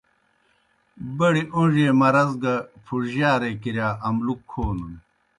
بڑیْ اون٘ڙی اے مرض گہ پُھڙجیارے کِرِیا املُک کھونَن۔